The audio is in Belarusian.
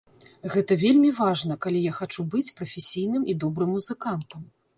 Гэта вельмі важна, калі я хачу быць прафесійным і добрым музыкантам.